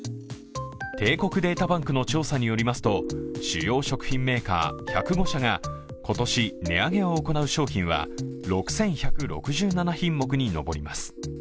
帝国データバンクの調査によりますと主要食品メーカー１０５社が今年値上げを行う商品は６１６７品目に上ります。